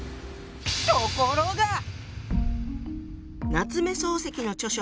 夏目漱石の著書